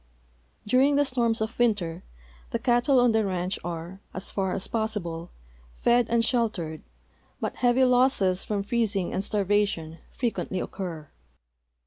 During the storms of winter the cattle on the ranch are, as far as possilde, fed and sheltered, but heavy losses from freez ing and starvation frequently occur.